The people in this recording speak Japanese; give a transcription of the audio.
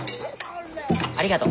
ありがと。